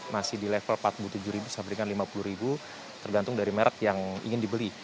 masih di level rp empat puluh tujuh sampai dengan rp lima puluh tergantung dari merek yang ingin dibeli